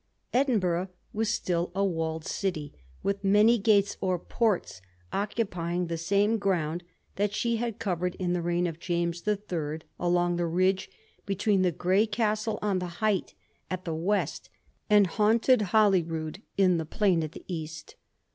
Edinburgh was still a walled city, with many gates or Sports,' occupying the same ground that she had covered in the reign of James the Third, along the ridge between the grey Castle on the height at the west and haunted Holyrood in the plain at the east.